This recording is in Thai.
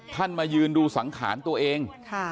มายืนดูสังขารตัวเอง